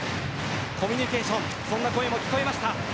コミュニケーション、そんな声も聞こえました。